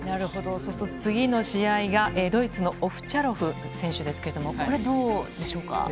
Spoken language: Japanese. そうすると次の試合がドイツのオフチャロフ選手ですけれども、これはどうでしょうか。